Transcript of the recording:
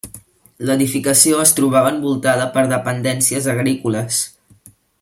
L'edificació es troba envoltada per dependències agrícoles.